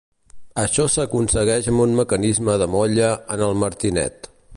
Això s'aconsegueix amb un mecanisme de molla en el martinet.